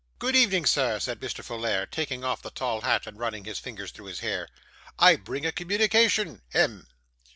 'Good evening, sir,' said Mr. Folair, taking off the tall hat, and running his fingers through his hair. 'I bring a communication. Hem!